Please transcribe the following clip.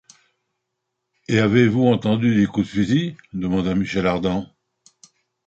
Et avez-vous entendu des coups de fusil ? demanda Michel Ardan.